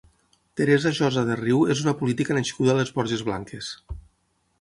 Teresa Josa de Riu és una política nascuda a les Borges Blanques.